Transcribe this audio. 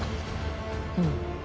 うん。